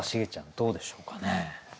どうでしょうかね？